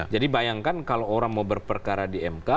jadi bayangkan kalau orang mau berperkara di mk